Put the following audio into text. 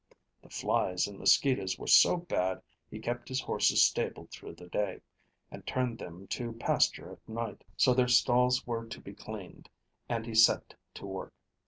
The flies and mosquitoes were so bad he kept his horses stabled through the day, and turned them to pasture at night. So their stalls were to be cleaned, and he set to work.